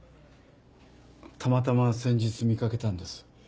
たまたま先日見かけたんです。